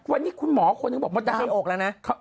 วันนี้คุณหมอคนหนึ่งบอกมัดดำ